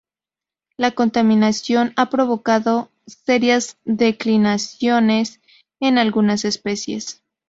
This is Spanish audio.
La contaminación ha provocado serias declinaciones en algunas especies.